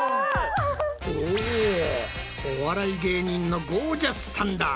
おお笑い芸人のゴー☆ジャスさんだ！